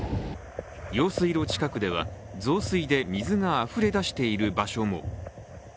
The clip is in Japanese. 用水路近くでは、増水で水があふれ出している場所も。